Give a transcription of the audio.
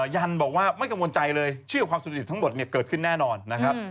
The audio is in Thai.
ยันบอกว่าไม่กังวลใจเลยเชื่อความสุจริตทั้งหมดเกิดขึ้นแน่นอนนะครับ